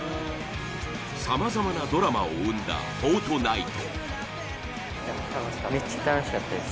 さまざまなドラマを生んだ『フォートナイト』。